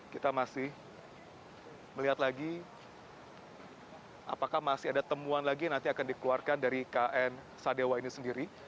kita masih melihat lagi apakah masih ada temuan lagi yang nanti akan dikeluarkan dari kn sadewa ini sendiri